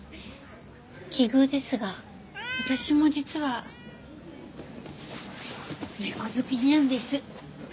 奇遇ですが私も実は猫好きにゃんです。